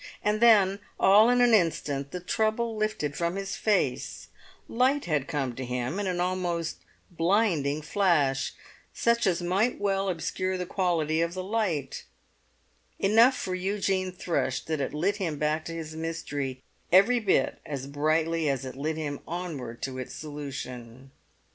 And then, all in an instant, the trouble lifted from his face; light had come to him in an almost blinding flash, such as might well obscure the quality of the light; enough for Eugene Thrush that it lit him back to his mystery every bit as brightly as it lit him onward to its solution.